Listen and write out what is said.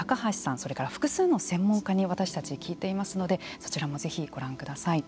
それから複数の専門家に私たち聞いていますのでそちらもぜひご覧ください。